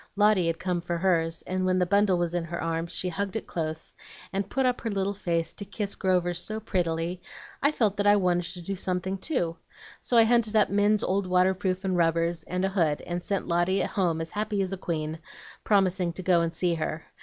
Lotty had come for hers, and when the bundle was in her arms she hugged it close, and put up her little face to kiss Grover so prettily, I felt that I wanted to do something too. So I hunted up Min's old waterproof and rubbers, and a hood, and sent Lotty home as happy as a queen, promising to go and see her.